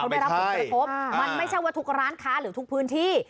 มันไม่ใช่ว่าทุกร้านค้าหรือทุกพื้นที่